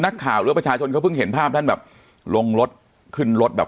หรือประชาชนเขาเพิ่งเห็นภาพท่านแบบลงรถขึ้นรถแบบ